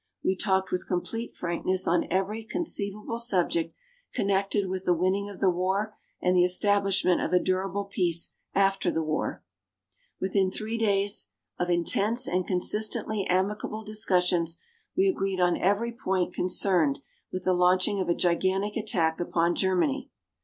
We talked with complete frankness on every conceivable subject connected with the winning of the war and the establishment of a durable peace after the war. Within three days of intense and consistently amicable discussions, we agreed on every point concerned with the launching of a gigantic attack upon Germany.